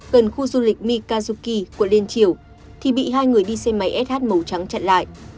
gần khu du lịch mikazuki quận liên triều thì bị hai người đi xe máy sh màu trắng chặn lại